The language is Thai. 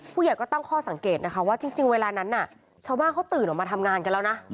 ผู้ใหญ่ก็ตั้งข้อสังเกตนะคะว่าจริงเวลานั้นน่ะชาวบ้านเขาตื่นออกมาทำงานกันแล้วนะ